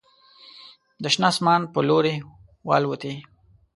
د شنه اسمان په لوري والوتې